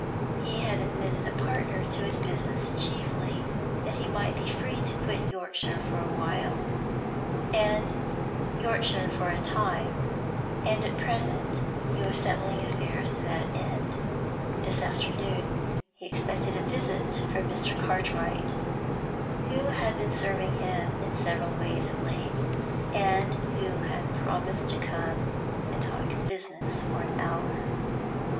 He had admitted a partner to his business chiefly that he might be free to quit Yorkshire for a time, and at present he was settling affairs to that end. This afternoon he expected a visit from Mr. Cartwright, who had been serving him in several ways of late, and who had promised to come and talk business for an hour.